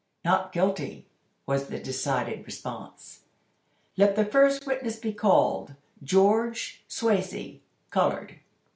"Not guilty!" was the decided response. "Let the first witness be called, George Swasey, colored."